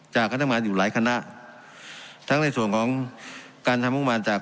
จากการถ้างงบมานอยู่หลายคณะทั้งในส่วนของการทำรถงบมานจาก